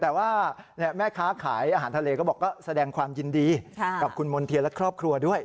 แต่ว่าแม่ค้าขายอาหารทะเลก็บอกก็แสดงความยินดีกับคุณมณ์เทียนและครอบครัวด้วย